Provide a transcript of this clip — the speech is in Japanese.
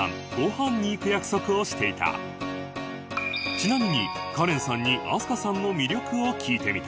ちなみにカレンさんに飛鳥さんの魅力を聞いてみた